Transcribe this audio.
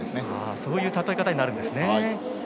そういう例え方になるんですね。